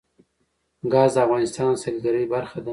ګاز د افغانستان د سیلګرۍ برخه ده.